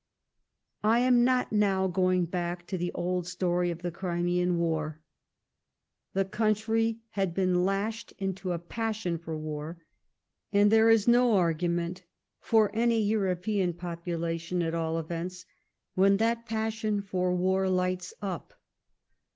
I am not now going back to the old story of the Crimean War. The country had been lashed into a passion for war, and there is no argument, for any European population at all events, when that passion for war lights up.